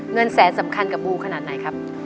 เงินแสนสำคัญกับบูขนาดไหนครับ